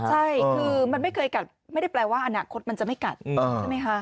ใช่คือมันไม่เคยกัดไม่ได้แปลว่าอนาคตมันจะไม่กัดใช่ไหมคะ